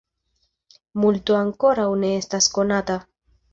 Multo ankoraŭ ne estas konata.